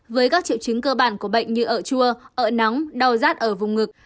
với các triệu chứng cơ bản của bệnh như ợ chua ợ nóng đau rát ở vùng ngực